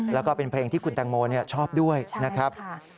แล้วก็เป็นเพลงที่คุณแตงโมชอบด้วยนะครับ